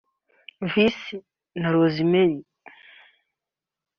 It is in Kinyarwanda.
Viccy & Rosemary